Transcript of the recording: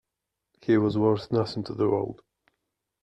He was worth nothing to the world.